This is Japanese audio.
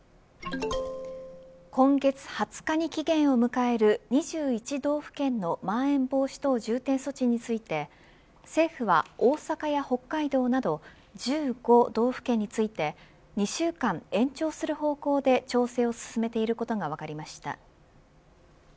今月２０日に期限を迎える２１道府県のまん延防止等重点措置について政府は大阪や北海道など１５道府県について２週間延長する方向で調整を進めていることが分かりました。